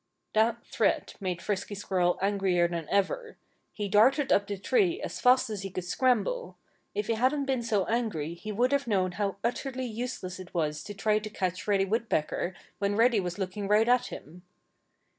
That threat made Frisky Squirrel angrier than ever. He darted up the tree as fast as he could scramble. If he hadn't been so angry he would have known how utterly useless it was to try to catch Reddy Woodpecker when Reddy was looking right at him.